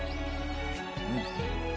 うん。